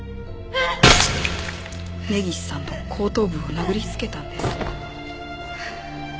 「根岸さんの後頭部を殴りつけたのです」